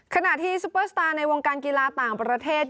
ซุปเปอร์สตาร์ในวงการกีฬาต่างประเทศ